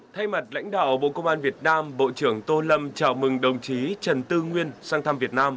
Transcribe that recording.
thay mặt lãnh đạo bộ công an việt nam bộ trưởng tô lâm chào mừng đồng chí trần tư nguyên sang thăm việt nam